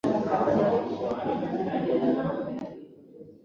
mvua ya miinuko ya ngorongoro inasababisha rangi ya kijani kutawala